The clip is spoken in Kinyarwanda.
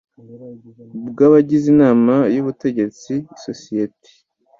bw abagize inama y ubutegetsi y isosiyete